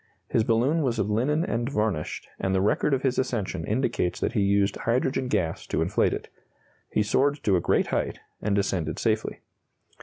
His balloon was of linen and varnished, and the record of his ascension indicates that he used hydrogen gas to inflate it. He soared to a great height, and descended safely.